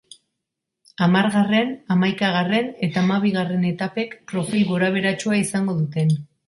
Hamargarren, hamaikagarren eta hamabigarren etapek profil gorabeheratsua izango duten.